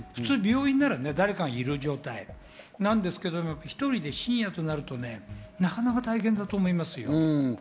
病院なら誰かがいる状態ですが、１人で深夜となるとなかなか大変だと思いますよ。